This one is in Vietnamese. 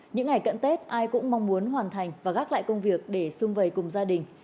những ngày cận tết ai cũng mong muốn hoàn thành và gác lại công việc để xung vầy cùng gia đình